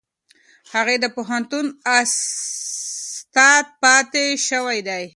هغې د پوهنتون استاده پاتې شوې ده.